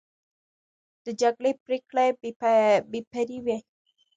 د جرګې پریکړه بې پرې وي.